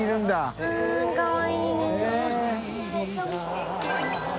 うんかわいいね。